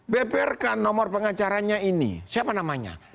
beberkan nomor pengacaranya ini siapa namanya